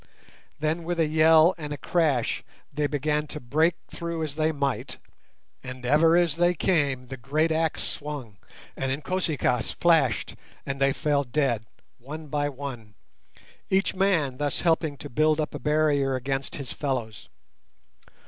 Then with a yell and a crash they began to break through as they might, and ever as they came the great axe swung and Inkosi kaas flashed and they fell dead one by one, each man thus helping to build up a barrier against his fellows.